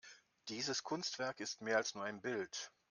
Dieses Kunstwerk ist mehr als nur ein Bild.